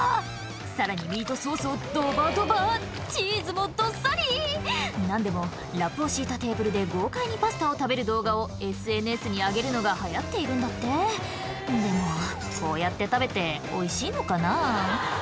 さらにミートソースをドバドバチーズもどっさり何でもラップを敷いたテーブルで豪快にパスタを食べる動画をＳＮＳに上げるのが流行っているんだってでもこうやって食べておいしいのかな？